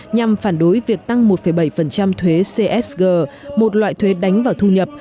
nhằm phản đối việc tăng một bảy thuế csg một loại thuế đánh vào thu nhập